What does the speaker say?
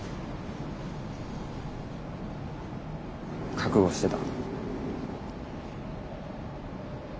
覚悟してた。